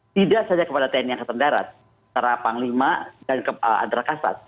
tidak saja kepada tni yang keterendarat antara panglima dan antara kasat